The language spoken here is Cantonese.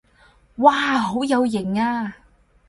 哇好有型啊